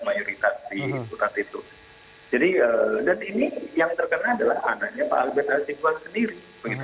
jadi dan ini yang terkena adalah anaknya pak albert azibwan sendiri